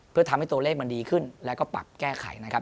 เพื่อทำให้ตัวเลขมันดีขึ้นแล้วก็ปรับแก้ไขนะครับ